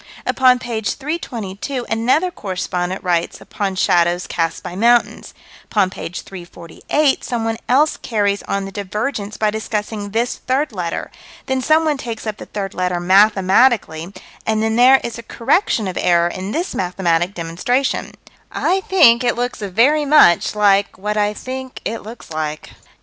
Upon page 322, another correspondent writes upon shadows cast by mountains; upon page 348 someone else carries on the divergence by discussing this third letter: then someone takes up the third letter mathematically; and then there is a correction of error in this mathematic demonstration I think it looks very much like what I think it looks like.